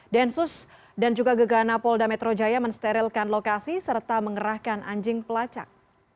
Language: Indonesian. densus dan juga gegana polda metro jaya mensterilkan lokasi serta mengerahkan anjing pelacak